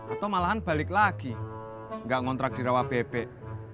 atau malahan balik lagi nggak ngontrak di rawa bebek